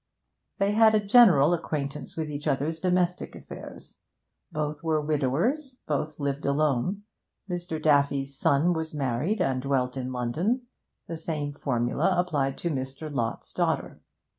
They had a general acquaintance with each other's domestic affairs. Both were widowers; both lived alone. Mr. Daffy's son was married, and dwelt in London; the same formula applied to Mr. Lott's daughter.